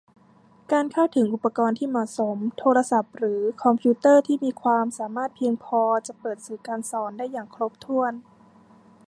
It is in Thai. การเข้าถึงอุปกรณ์ที่เหมาะสม โทรศัพท์หรือคอมพิวเตอร์ที่มีความสามารถเพียงพอจะเปิดสื่อการสอนได้อย่างครบถ้วน